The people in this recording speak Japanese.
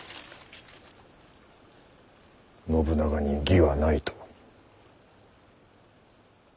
信長に義はないと。